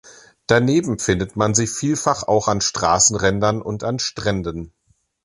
Daneben findet man sie vielfach auch an Straßenrändern und an Stränden.